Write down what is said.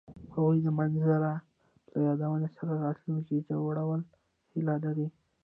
هغوی د منظر له یادونو سره راتلونکی جوړولو هیله لرله.